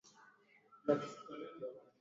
Kufikia mwaka elfu moja mia tisa thelathini